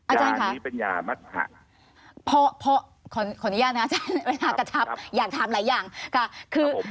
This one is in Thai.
อาจารย์ค่ะพ่อขออนุญาตนะครับอยากถามหลายอย่างค่ะคือ